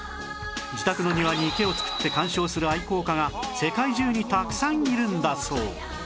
自宅の庭に池を作って観賞する愛好家が世界中にたくさんいるんだそう